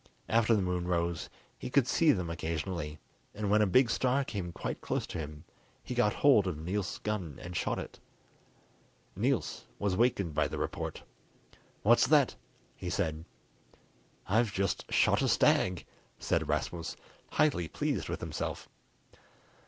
After the moon rose he could see them occasionally, and when a big stag came quite close to him he got hold of Niels' gun and shot it. Niels was wakened by the report. "What's that?" he said. "I've just shot a stag," said Rasmus, highly pleased with himself.